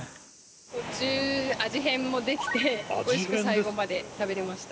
途中味変もできて美味しく最後まで食べられました。